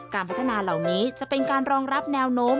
การพัฒนาเหล่านี้จะเป็นการรองรับแนวโน้ม